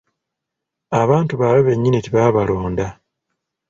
Abantu baabwe bennyini tebaabalonda.